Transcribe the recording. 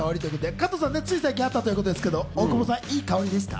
加藤さん、つい最近あったことで大久保さんいい香りでした？